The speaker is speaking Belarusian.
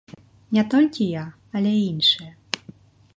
Не толькі я, але і іншыя.